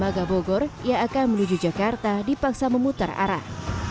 dan ramah gabogor yang akan menuju jakarta dipaksa memutar arah